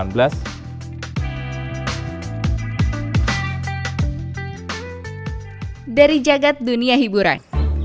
dari jagad dunia hiburan